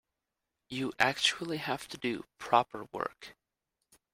You actually have to do proper work.